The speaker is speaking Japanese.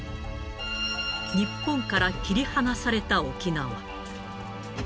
日本から切り離された沖縄。